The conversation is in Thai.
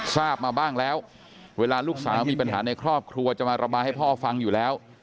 ทราบมาบ้างแล้วเวลาลูกสาวมีปัญหาในครอบครัวจะมาระบายให้พ่อฟังอยู่แล้ว